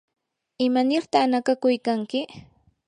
¿imanirta nakakuykanki?